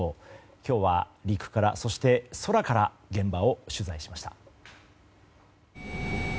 今日は陸から、そして空から現場を取材しました。